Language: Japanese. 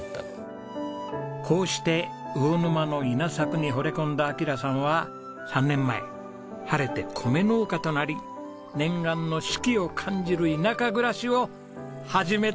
こうして魚沼の稲作に惚れ込んだ暁良さんは３年前晴れて米農家となり念願の四季を感じる田舎暮らしを始めたんです。